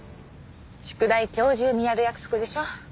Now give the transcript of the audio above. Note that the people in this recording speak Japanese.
宿題今日中にやる約束でしょ。